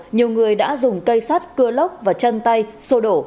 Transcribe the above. nhiều người đã dùng cây sắt cưa lốc và chân tay sô đổ